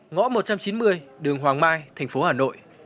ngõ một trăm chín mươi đường hoàng mai thành phố hà nội